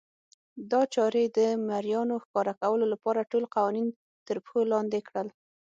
دا چارې د مریانو ښکار کولو لپاره ټول قوانین ترپښو لاندې کړل.